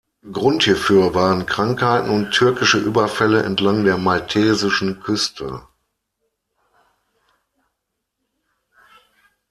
Grund hierfür waren Krankheiten und türkische Überfälle entlang der maltesischen Küste.